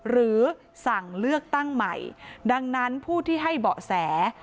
หรือสั่งเลือกตั้งใหม่ดังนั้นผู้ที่ให้เบาะแส